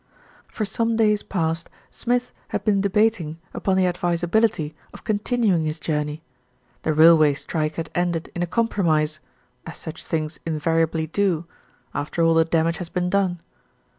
For some days past Smith had been debating upon the advisability of continuing his journey. The rail way strike had ended in a compromise, as such things invariably do after all the damage has been done.